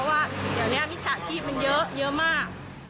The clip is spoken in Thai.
เพราะว่าเดี๋ยวนี้มิจฉาชีพมันเยอะเยอะมาก